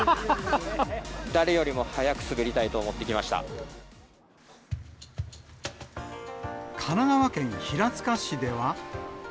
誰よりも早く滑りたいと思っ神奈川県平塚市では。